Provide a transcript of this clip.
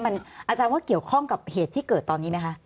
อาจารย์ว่าเกี่ยวข้องกับเหตุที่เกิดตอนนี้ไหมคะ